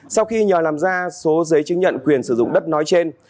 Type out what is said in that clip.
sau khi nhờ làm ra số giấy chứng nhận quyền sử dụng đất nói trên